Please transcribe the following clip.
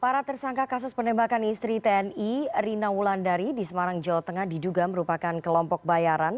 para tersangka kasus penembakan istri tni rina wulandari di semarang jawa tengah diduga merupakan kelompok bayaran